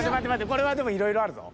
これはでもいろいろあるぞ。